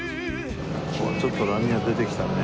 ちょっと波が出てきたね。